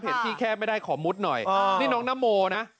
เห็นที่แคบไม่ได้ขอมุดหน่อยอ่านี่น้องน้ำโมนะ